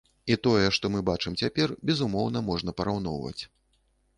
І тое, што мы бачым цяпер, безумоўна, можна параўноўваць.